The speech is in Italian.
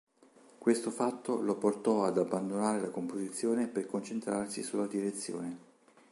Questo fatto lo portò ad abbandonare la composizione per concentrarsi sulla direzione.